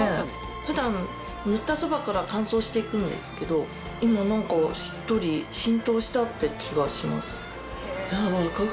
普段塗ったそばから乾燥して行くんですけど今何かしっとり浸透したって気がします。